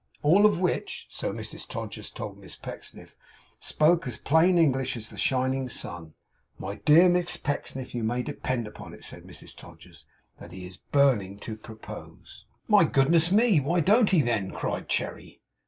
All of which, so Mrs Todgers told Miss Pecksniff, spoke as plain English as the shining sun. 'My dear Miss Pecksniff, you may depend upon it,' said Mrs Todgers, 'that he is burning to propose.' 'My goodness me, why don't he then?' cried Cherry.